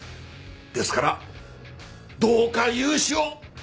ですからどうか融資を！